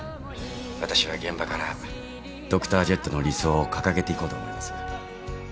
私は現場からドクタージェットの理想を掲げていこうと思います。